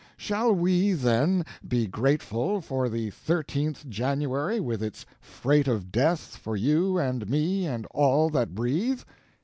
Shall we, then, be grateful for the 13th January, with its freight of death for you and me and all that breathe?